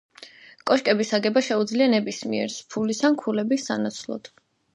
კოშკების აგება შეუძლია ნებისმიერს ფულის ან ქულების სანაცვლოდ.